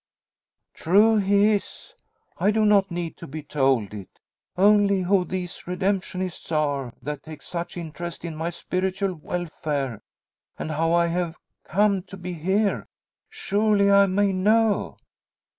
"True: He is. I do not need to be told it. Only, who these redemptionists are that take such interest in my spiritual welfare, and how I have come to be here, surely I may know?"